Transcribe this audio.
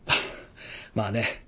まあね。